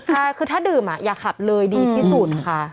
ใช่คือถ้าดื่มอย่าขับเลยดีที่สุดค่ะ